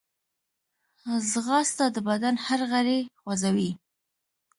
ځغاسته د بدن هر غړی خوځوي